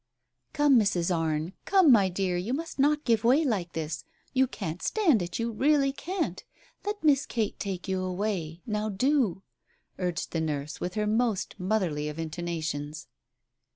"Come, Mrs. Arne — come, my dear, you must not give way like this ! You can't stand it — you really can't ! Let Miss Kate take you away — now do !" urged the nurse, with her most motherly of intonations.